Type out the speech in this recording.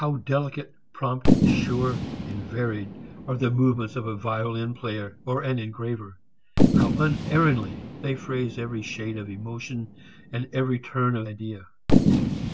How delicate, prompt, sure and varied are the movements of a violin player or an engraver! How unerringly they phrase every shade of emotion and every turn of idea!